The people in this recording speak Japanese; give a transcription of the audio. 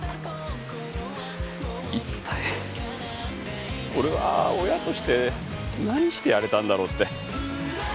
一体俺は親として何してやれたんだろうって。